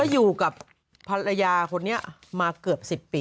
อยู่กับภรรยาคนนี้มาเกือบ๑๐ปี